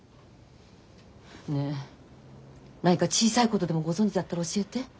ねえ何か小さいことでもご存じだったら教えて？